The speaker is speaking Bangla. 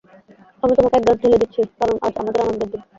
আমি তোমাকে এক গ্লাস ঢেলে দিচ্ছি কারণ আজ আমাদের আনন্দের দিন।